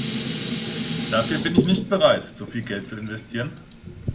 Dafür bin ich nicht bereit, so viel Geld zu investieren.